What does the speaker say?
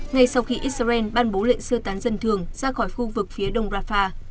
ngay sau khi israel ban bố lệnh sơ tán dân thường ra khỏi khu vực phía đông rafah